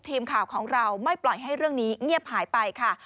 ทีมข่าวของเราไม่ปล่อยให้เรื่องนี้เงียบหายไปค่ะ